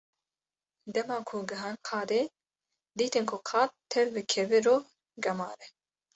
Dema ku gihan qadê, dîtin ku qad tev bi kevir û gemar e.